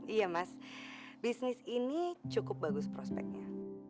iya mas bisnis ini cukup bagus prospeknya